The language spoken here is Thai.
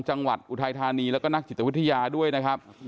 อุทัยธานีแล้วก็นักจิตวิทยาด้วยนะครับ